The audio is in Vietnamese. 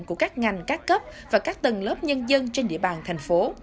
của các ngành các cấp và các tầng lớp nhân dân trên địa bàn thành phố